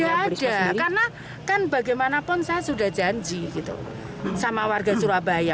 tidak ada karena kan bagaimanapun saya sudah janji gitu sama warga surabaya